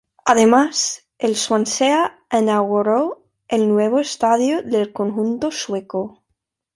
Además, el Swansea inauguró el nuevo estadio del conjunto sueco.